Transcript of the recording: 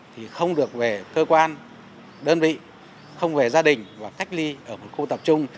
thì không được về cơ quan đơn vị không về gia đình và cách ly ở một khu tập trung